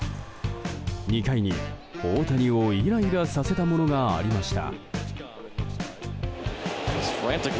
２回に大谷をイライラさせたものがありました。